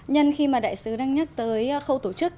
nhân khi mà đại sứ đang nhắc tới khâu tổ chức